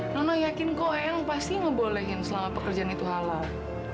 nono yakin kok emang pasti ngebolehin selama pekerjaan itu halal